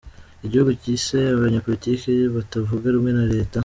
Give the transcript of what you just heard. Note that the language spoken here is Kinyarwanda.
Igihugu gise abanyepolitike batavuga rumwe na leta.